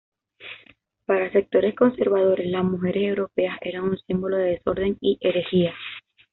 Para sectores conservadores, las mujeres europeas eran un símbolo de desorden y herejía.